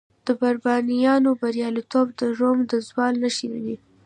د بربریانو بریالیتوبونه د روم د زوال نښې وې